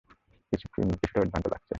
কিছুটা উদ্ভ্রান্ত লাগছে।